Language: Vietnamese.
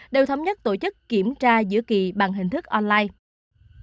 đều thống nhất tổ chức kiểm tra giữa kỳ bằng hình thức online